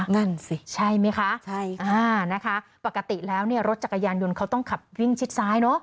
นั่นสิใช่ไหมคะใช่ค่ะนะคะปกติแล้วเนี่ยรถจักรยานยนต์เขาต้องขับวิ่งชิดซ้ายเนอะ